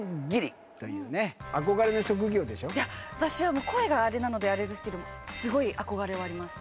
私は声があれなのであれですけどすごい憧れはあります。